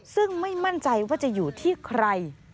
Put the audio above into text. ซึ่งไม่มั่นใจว่าจะอยู่ที่ใคร